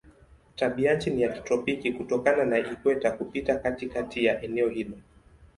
Tabianchi ni ya kitropiki kutokana na ikweta kupita katikati ya eneo hilo.